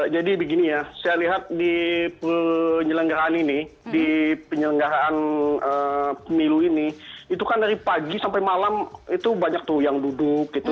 jadi begini ya saya lihat di penyelenggaraan ini di penyelenggaraan pemilu ini itu kan dari pagi sampai malam itu banyak tuh yang duduk gitu